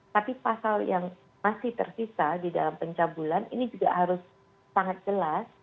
tapi pasal yang masih tersisa di dalam pencabulan ini juga harus sangat jelas